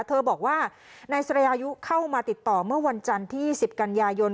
เธอบอกว่านายสรายุเข้ามาติดต่อเมื่อวันจันทร์ที่๑๐กันยายน